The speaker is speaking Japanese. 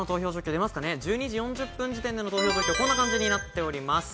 １２時４０分時点での投票状況はこのようになっています。